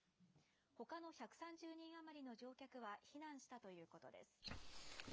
ほかの１３０人余りの乗客は避難したということです。